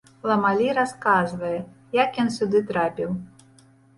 Ламалі расказвае, як ён сюды трапіў.